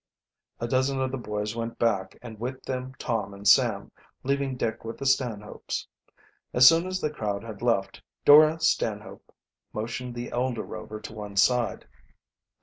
A dozen of the boys went back, and with them Tom and Sam, leaving Dick with the Stanhopes. As soon as the crowd had left, Dora Stanhope motioned the elder Rover to one side.